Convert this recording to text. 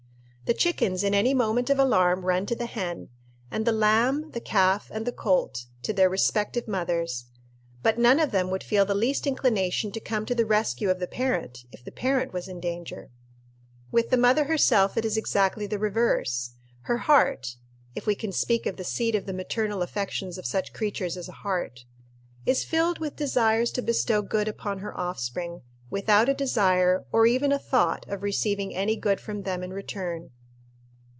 The chickens in any moment of alarm run to the hen; and the lamb, the calf, and the colt to their respective mothers; but none of them would feel the least inclination to come to the rescue of the parent if the parent was in danger. With the mother herself it is exactly the reverse. Her heart if we can speak of the seat of the maternal affections of such creatures as a heart is filled with desires to bestow good upon her offspring, without a desire, or even a thought, of receiving any good from them in return.